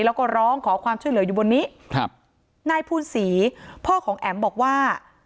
แล้วก็ร้องขอความช่วยเหลืออยู่บนนี้ครับนายภูนศรีพ่อของแอ๋มบอกว่า